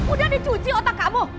udah dicuci otak kamu